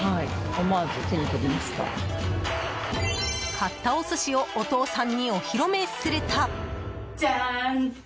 買ったお寿司をお父さんにお披露目すると。